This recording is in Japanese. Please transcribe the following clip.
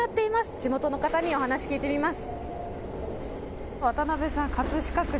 地元の方にお話し聞いてみます。